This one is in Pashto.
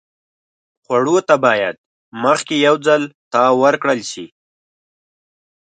خوړو ته باید مخکې یو ځل تاو ورکړل شي.